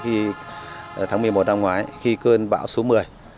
thì tháng một mươi một năm ngoái khi cơn bão số một mươi